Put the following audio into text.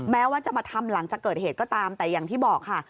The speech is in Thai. แม้ว่าจะมาทำหลังจากเกิดเหตุก็ตามแต่อย่างที่บอกค่ะ